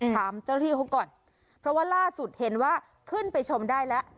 ถามเจ้าหน้าที่เขาก่อนเพราะว่าล่าสุดเห็นว่าขึ้นไปชมได้แล้ว